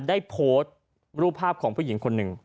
ได้โพสต์รูปภาพของผู้หญิงคนหนึ่ง